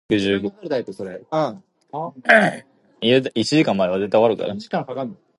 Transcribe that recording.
He was served his first meal as King, which consisted of millet dough.